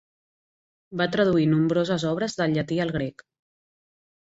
Va traduir nombroses obres del llatí al grec.